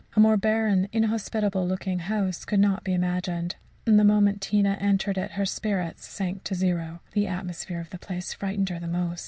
A more barren, inhospitable looking house could not be imagined, and the moment Tina entered it, her spirits sank to zero. The atmosphere of the place frightened her the most.